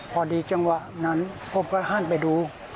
พอดีจังหวะนั้นผมก็หันไปดู